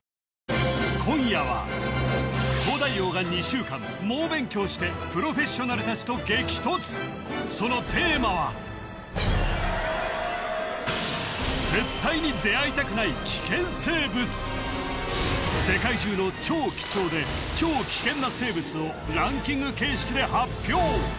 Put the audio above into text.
今夜は東大王が２週間猛勉強してプロフェッショナル達と激突そのテーマは世界中の超貴重で超危険な生物をランキング形式で発表